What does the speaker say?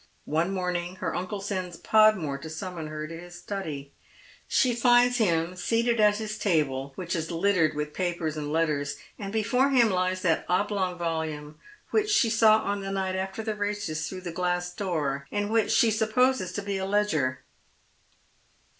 One morning her uncle sends Podmore to summon her to his study. She finds him seated at his table, which is littered with papers and letters, and before him lies that oblong volume which she saw on the night after the races through the glass door, and which she sup poses to be a ledger.